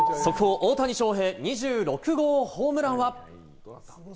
大谷翔平、２６号ホームランは？